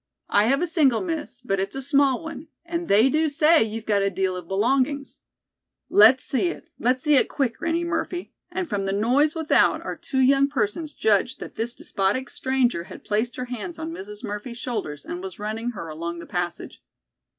"I have a single, Miss, but it's a small one, and they do say you've got a deal of belongings." "Let's see it. Let's see it, quick, Granny Murphy," and from the noise without our two young persons judged that this despotic stranger had placed her hands on Mrs. Murphy's shoulders and was running her along the passage.